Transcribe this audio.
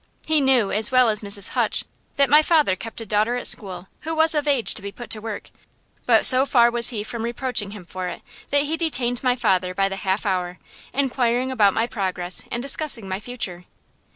He knew, as well as Mrs. Hutch, that my father kept a daughter at school who was of age to be put to work; but so far was he from reproaching him for it that he detained my father by the half hour, inquiring about my progress and discussing my future.